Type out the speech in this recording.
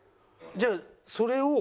じゃあそれを。